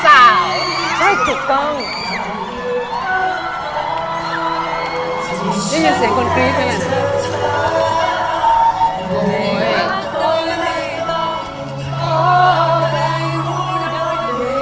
ว่ารักคืออะไร